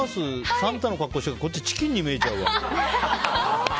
サンタの格好してるけどこっち、チキンに見えちゃう。